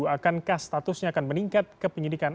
akankah statusnya akan meningkat ke penyidikan